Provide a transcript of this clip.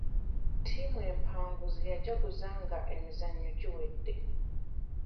Ttiimu empanguzi yajaguza nga emizannyo giwedde.